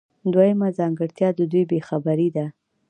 دویمه ځانګړتیا د دوی بې خبري ده.